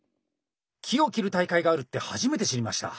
木を切る大会があるって初めて知りました！